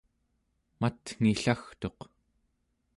matngillagtuq